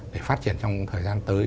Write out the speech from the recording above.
để phát triển trong thời gian tới